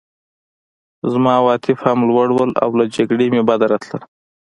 زما عواطف هم لوړ وو او له جګړې مې بد راتلل